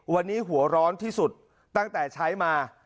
วันนี้หัวร้อนที่สุดตั้งแต่ใช้มา